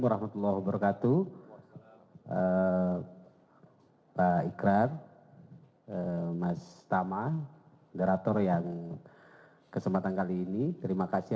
warahmatullah wabarakatuh pak ikran mas tamah derator yang kesempatan kali ini terima kasih